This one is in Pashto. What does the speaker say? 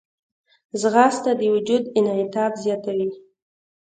ځغاسته د وجود انعطاف زیاتوي